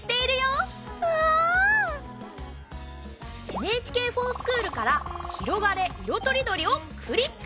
「ＮＨＫｆｏｒＳｃｈｏｏｌ」から「ひろがれ！いろとりどり」をクリック。